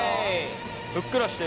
ふっくらしてる。